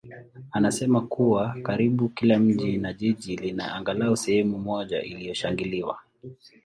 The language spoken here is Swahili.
anasema kuwa karibu kila mji na jiji lina angalau sehemu moja iliyoshangiliwa.